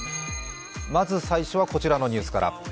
まず最初はこちらのニュースから。